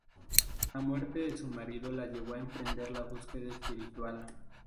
La muerte de su marido la llevó a emprender la búsqueda espiritual.